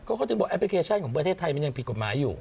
เขาถึงบอกแอปพลิเคชันของประเทศไทยมันยังผิดกฎหมายอยู่